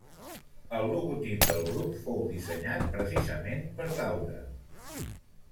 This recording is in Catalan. El logotip del grup fou dissenyat precisament per Daura.